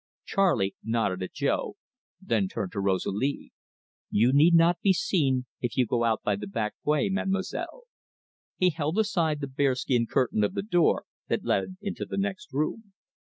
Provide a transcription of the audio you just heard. Charley nodded at Jo, then turned to Rosalie. "You need not be seen if you go out by the back way, Mademoiselle." He held aside the bear skin curtain of the door that led into the next room.